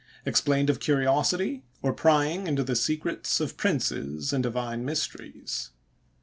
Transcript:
EXPLAINED OF CURIOSITY, OR PRYING INTO THE SECRETS OF PRINCES AND DIVINE MYSTERIES.